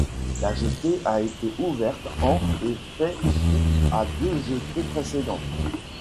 La jetée a été ouverte en et fait suite à deux jetées précédentes.